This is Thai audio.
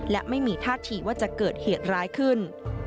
และไม่มีท่าทีว่าจะเกิดเหตุร้ายขึ้น